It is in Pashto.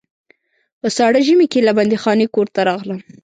په ساړه ژمي کې له بندیخانې کور ته راغلم.